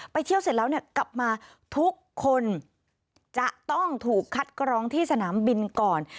เที่ยวเสร็จแล้วเนี่ยกลับมาทุกคนจะต้องถูกคัดกรองที่สนามบินก่อน